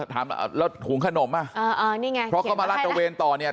ถามแล้วถุงขนมอ่ะอ่านี่ไงเพราะเขามาลาดตระเวนต่อเนี่ย